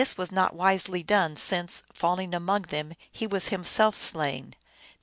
was not wisely done, since, falling among them, he was himself slain.